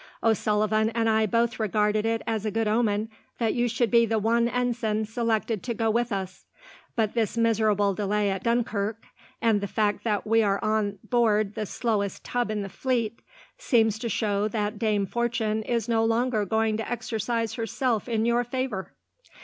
O'Sullivan and I both regarded it as a good omen that you should be the one ensign selected to go with us, but this miserable delay at Dunkirk, and the fact that we are on board the slowest tub in the fleet, seems to show that Dame Fortune is no longer going to exercise herself in your favour."